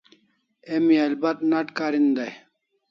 Emi albat nat karin dai